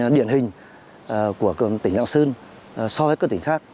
điển hình của tỉnh lạng sơn so với các tỉnh khác